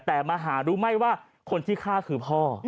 แต่มาหารู้ไหมว่าคนที่ฆ่าคือพ่อ